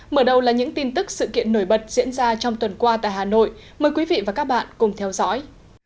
mở đầu là những tin tức sự kiện nổi bật diễn ra trong tuần qua tại hà nội mời quý vị và các bạn cùng theo dõi